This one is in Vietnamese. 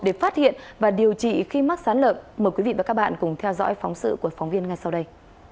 để phát hiện và điều trị khi mắc sán lợn mời quý vị và các bạn cùng theo dõi phóng sự của phóng viên ngay sau đây